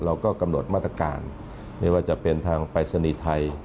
เราก็กำหนดมาตรการไม่ว่าจะเป็นทางปรายศนีย์ไทย